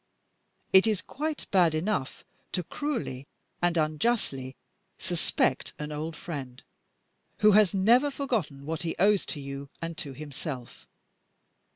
It is quite bad enough to cruelly and unjustly suspect an old friend who has never forgotten what he owes to you and to himself.